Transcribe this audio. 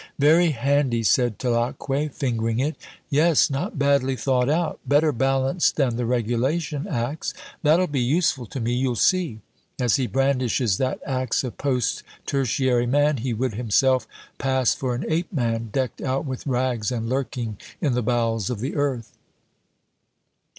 "Very handy," said Tulacque, fingering it. "Yes, not badly thought out. Better balanced than the regulation ax. That'll be useful to me, you'll see." As he brandishes that ax of Post Tertiary Man, he would himself pass for an ape man, decked out with rags and lurking in the bowels of the earth.